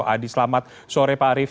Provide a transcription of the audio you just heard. adi selamat sore pak arief